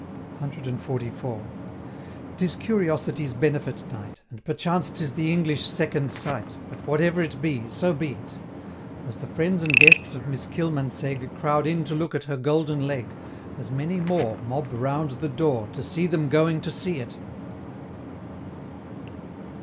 CXLIV. 'Tis Curiosity's Benefit night And perchance 'tis the English Second Sight, But whatever it be, so be it As the friends and guests of Miss Kilmansegg Crowd in to look at her Golden Leg, As many more Mob round the door, To see them going to see it!